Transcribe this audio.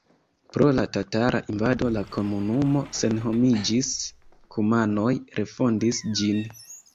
Pro la tatara invado la komunumo senhomiĝis, kumanoj refondis ĝin.